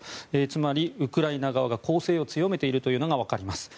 つまり、ウクライナ側が攻勢を強めているのが分かります。